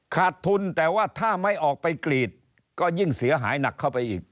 ขาดทุนแต่ว่าถ้าไม่ออกไปกรีดก็ยิ่งเสียหายหนักเข้าไปอีก